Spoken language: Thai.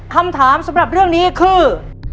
คำถามสำหรับเรื่องนี้คือ